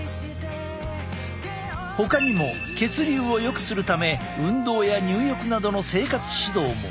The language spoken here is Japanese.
ほかにも血流をよくするため運動や入浴などの生活指導も。